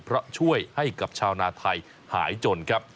เพราะช่วยให้กับชาวนาไทยหายจนครับ